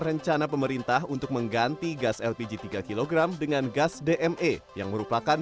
rencana pemerintah untuk mengganti gas lpg tiga kg dengan gas dme yang merupakan